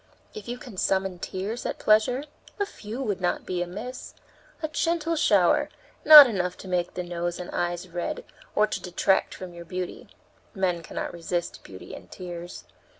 If you can summon tears at pleasure, a few would not be amiss; a gentle shower, not enough to make the nose and eyes red or to detract from your beauty. Men cannot resist beauty and tears.